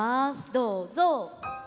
どうぞ。